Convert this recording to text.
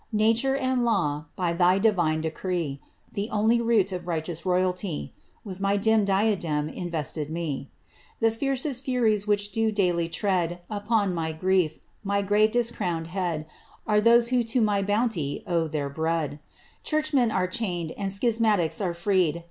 Nature and law, hj thy divine decree, (The only root of righteous royalty), With my dim diadem invested me. The fiercest furies which do daily tread Upon my grief — ^my grey discrowned head — Are those who to my bounty owe their bread. Cliurchmen are chained, and schismatics are freed.